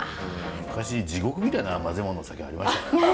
昔地獄みたいな混ぜもんのお酒ありましたからね。